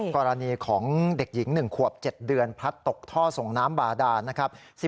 กรณีของเด็กหญิง๑ขวบ๗เดือนพัดตกท่อส่งน้ำบาดานนะครับ